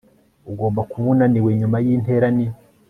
ugomba kuba unaniwe nyuma yintera nini